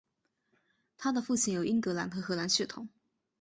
她的父亲有英格兰和荷兰血统。